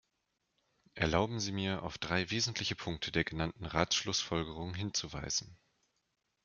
Erlauben Sie mir, auf drei wesentliche Punkte der genannten Ratsschlussfolgerungen hinzuweisen.